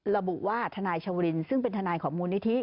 ระบุว่าทนายชวรินซึ่งเป็นทนายของมูลนิธิ